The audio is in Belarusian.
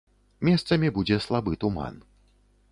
Месцамі будзе слабы туман.